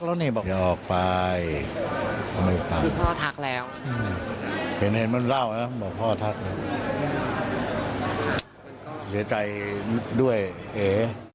เสียใจด้วยเอ